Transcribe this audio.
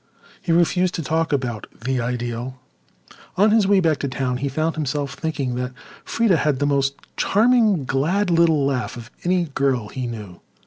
He refused to talk about the Ideal. On his way back to town he found himself thinking that Freda had the most charming, glad little laugh of any girl he knew.